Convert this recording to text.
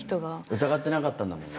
疑ってなかったんだもんね。